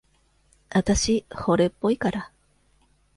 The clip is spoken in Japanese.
あたし、惚れっぽいから。